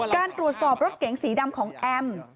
การตรวจสอบรถเก๋งสีดำของแอม